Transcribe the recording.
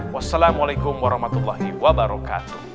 wassalamualaikum warahmatullahi wabarakatuh